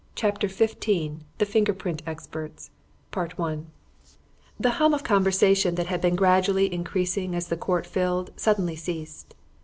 CHAPTER XV THE FINGER PRINT EXPERTS The hum of conversation that had been gradually increasing as the court filled suddenly ceased.